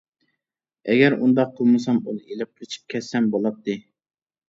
ئەگەر ئۇنداق قىلمىسام، ئۇنى ئېلىپ قېچىپ كەتسەم بولاتتى.